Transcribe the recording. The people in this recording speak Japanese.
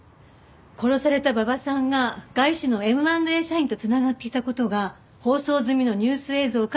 殺された馬場さんが外資のＭ＆Ａ社員と繋がっていた事が放送済みのニュース映像からわかったの。